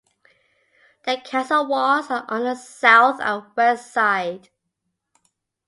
The castle walls are on the south and west side.